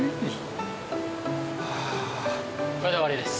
これで終わりです。